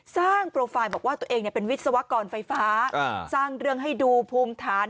โปรไฟล์บอกว่าตัวเองเป็นวิศวกรไฟฟ้าสร้างเรื่องให้ดูภูมิฐาน